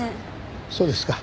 そうですか。